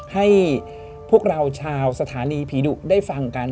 ให้พวกเราชาวสถานีผีดุได้ฟังกัน